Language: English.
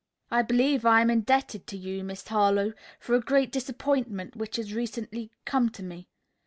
"I believe I am indebted to you, Miss Harlowe, for a great disappointment which has recently come to me.